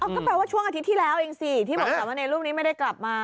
ก็แปลว่าช่วงอาทิตย์ที่แล้วเองสิที่บอกสามะเนรรูปนี้ไม่ได้กลับมา